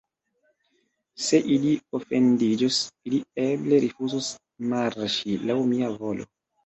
Se ili ofendiĝos, ili eble rifuzos marŝi laŭ mia volo.